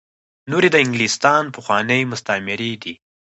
نور یې د انګلستان پخواني مستعميري دي.